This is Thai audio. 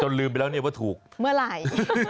จนลืมไปแล้วว่าถูกเมื่อไหร่